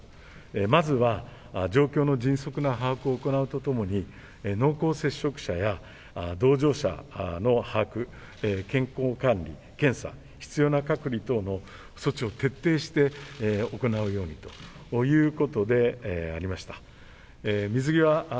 まずは状況の迅速な把握を行うとともに、濃厚接触者や同乗者の把握、健康管理、検査、必要な隔離等の措置を徹底して行うようにということがありました。